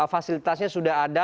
fasilitasnya sudah ada